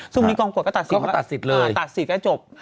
ซึ่งที่กองประกวดก็ตัดสิทธิ์ตัดสิทธิ์ก็จบ